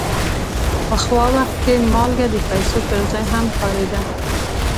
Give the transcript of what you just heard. پخوا وخت کې مالګه د پیسو پر ځای هم کارېده.